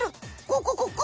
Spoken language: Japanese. ここここ！